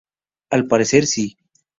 Al parecer, sí.